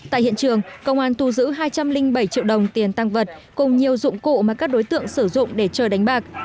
tại hiện trường công an thu giữ hai trăm linh bảy triệu đồng tiền tăng vật cùng nhiều dụng cụ mà các đối tượng sử dụng để chờ đánh bạc